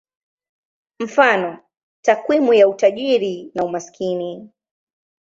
Mfano: takwimu ya utajiri na umaskini.